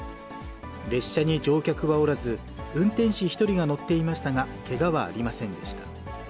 列車に乗客はおらず、運転士１人が乗っていましたが、けがはありませんでした。